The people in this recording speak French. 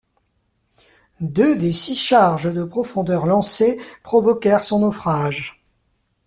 Deux des six charges de profondeur lancées provoquèrent son naufrage.